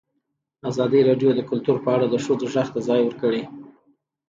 ازادي راډیو د کلتور په اړه د ښځو غږ ته ځای ورکړی.